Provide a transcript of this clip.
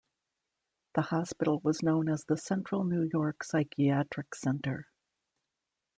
The hospital was known as the Central New York Psychiatric Center.